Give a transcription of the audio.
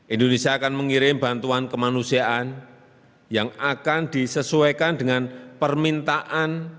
indonesia akan mengirim bantuan kemanusiaan yang akan disesuaikan dengan permintaan